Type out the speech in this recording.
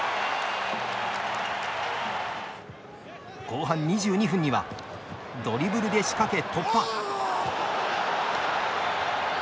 後半２２分にはドリブルで仕掛け、突破。